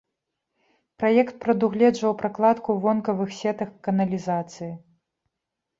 Праект прадугледжваў пракладку вонкавых сетак каналізацыі.